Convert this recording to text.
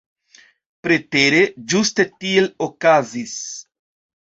Pretere, ĝuste tiel okazis.